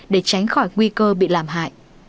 để tránh khỏi nguy cơ bị làm hại